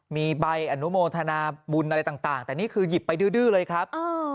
มีใบอนุโมทนาบุญอะไรต่างแต่นี่คือหยิบไปดื้อเลยครับ